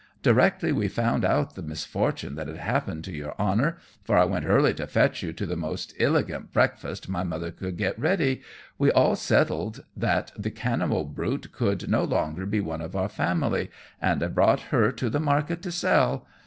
Directly we found out the misfortune that had happened to your honor, for I went early to fetch you to the most iligant breakfast my mother could get ready, we all settled that the cannibal brute should no longer be one of our family, and I brought her to the market to sell.